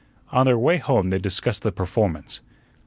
On their way home they discussed the performance.